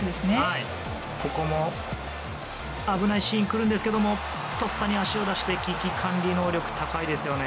危ないシーンが来るんですけどとっさに足を出して危機管理能力が高いですね。